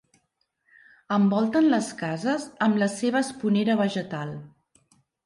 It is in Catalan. Envolten les cases amb la seva esponera vegetal.